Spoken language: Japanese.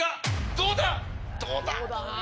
⁉どうだ